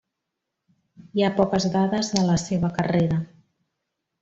Hi ha poques dades de la seva carrera.